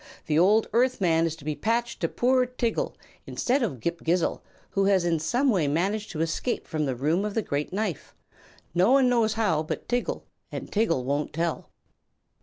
The old Earth man is to be patched to poor Tiggle, instead of Ghip Ghisizzle, who has in some way managed to escape from the Room of the Great Knife no one knows how but Tiggle, and Tiggle won't tell."